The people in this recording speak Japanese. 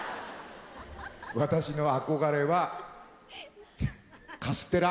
私の憧れはカステラ。